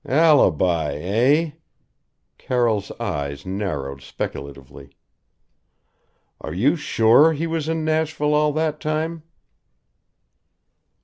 "Alibi, eh?" Carroll's eyes narrowed speculatively, "are you sure he was in Nashville all that time?"